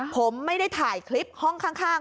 ผมไม่ได้ถ่ายคลิปห้องข้าง